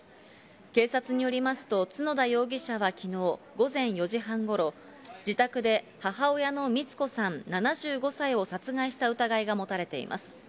警察によりますと角田容疑者は昨日午前４時半頃、自宅で母親の光子さん７５歳を殺害した疑いが持たれています。